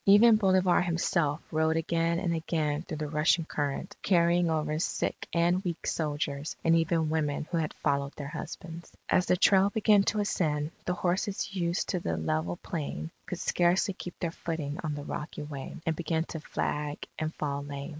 Even Bolivar himself rode again and again through the rushing current, carrying over sick and weak soldiers and even women who had followed their husbands. As the trail began to ascend, the horses used to the level plain, could scarcely keep their footing on the rocky way, and began to flag and fall lame.